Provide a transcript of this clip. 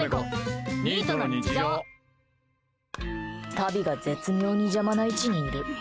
タビが絶妙に邪魔な位置にいる。